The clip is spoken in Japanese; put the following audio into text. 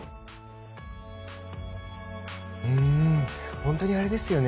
本当にあれですよね